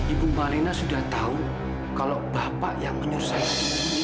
ibu malena sudah tahu kalau bapak yang menyuruh saya di sini